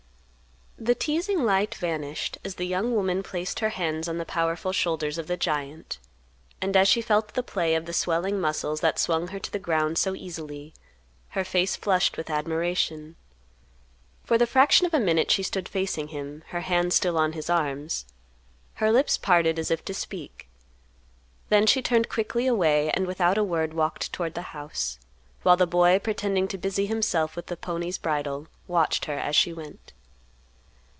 The teasing light vanished as the young woman placed her hands on the powerful shoulders of the giant, and as she felt the play of the swelling muscles that swung her to the ground so easily, her face flushed with admiration. For the fraction of a minute she stood facing him, her hands still on his arms, her lips parted as if to speak; then she turned quickly away, and without a word walked toward the house, while the boy, pretending to busy himself with the pony's bridle, watched her as she went.